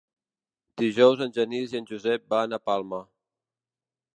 Dijous en Genís i en Josep van a Palma.